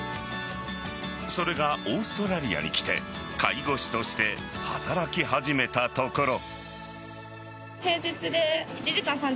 それがオーストラリアに来て介護士として働き始めたところ。